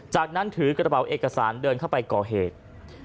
จากนั้นถือกระเป๋าเอกสารเดินเข้าไปก่อเหตุ